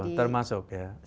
itu termasuk ya